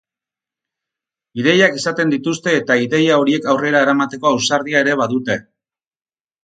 Ideiak izaten dituzte eta ideia horiek aurrera eramateko ausardia ere badute.